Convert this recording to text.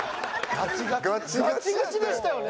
ガチガチでしたよね？